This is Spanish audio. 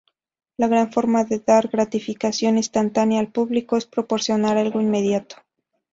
La gran forma de dar gratificación instantánea al público es proporcionar algo inmediato.